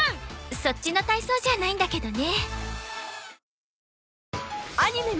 そっちの体操じゃないんだけどね